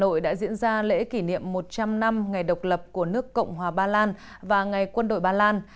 hà nội đã diễn ra lễ kỷ niệm một trăm linh năm ngày độc lập của nước cộng hòa ba lan và ngày quân đội ba lan